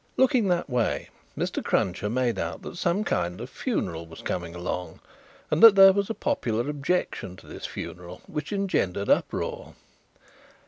Looking that way, Mr. Cruncher made out that some kind of funeral was coming along, and that there was popular objection to this funeral, which engendered uproar.